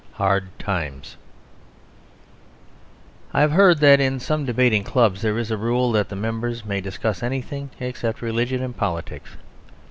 HARD TIMES I have heard that in some debating clubs there is a rule that the members may discuss anything except religion and politics.